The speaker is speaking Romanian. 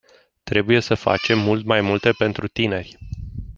Trebuie să facem mult mai multe pentru tineri.